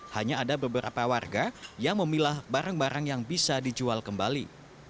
hanya ada beberapa warga yang memilah barang barang yang bisa dijual kembali